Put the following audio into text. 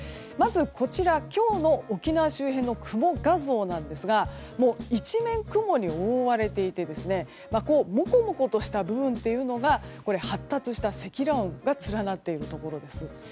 こちら、今日の沖縄周辺の雲画像なんですが一面、雲に覆われていてこの、もこもことした部分が発達した積乱雲が連なっているところです。